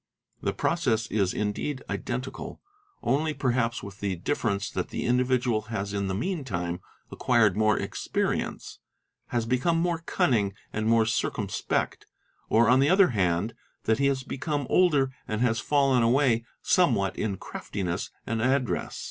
The process is "indeed identical, only perhaps with the difference that the individual has in the mean time acquired more experience, has become more cunning 'and more circumspect, or on the other hand that he has become older and has fallen away somewhat in craftiness and address.